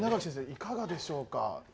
いかがでしょうか。